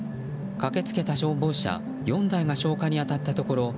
駆け付けた消防車４台が消火に当たったところ